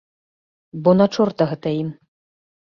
Бо на чорта гэта ім.